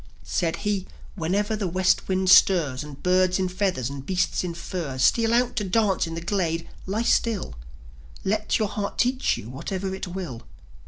Said he: "Whenever the West wind stirs, And birds in feathers and beasts in furs Steal out to dance in the glade, lie still: Let your heart teach you what it will."